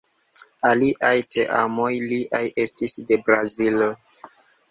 Aliaj teamoj liaj estis de Brazilo.